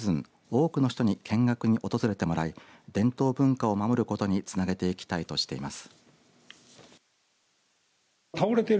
多くの人に見学に訪れてもらい伝統文化を守ることにつなげていきたいとしています。